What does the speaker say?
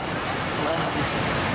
biasanya pakai santa